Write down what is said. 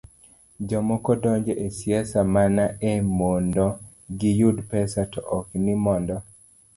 Jomoko donjo e siasa mana ni mondo giyud pesa to ok ni mondo